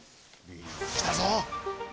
来たぞ！